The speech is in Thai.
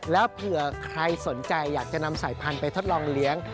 แล้วเผื่อใครสนใจอยากจะนำสายพันธุไปทดลองเลี้ยง